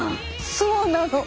そうなの。